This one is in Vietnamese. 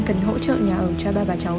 cần hỗ trợ nhà ở cho ba bà cháu